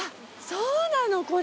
そうなのこれ。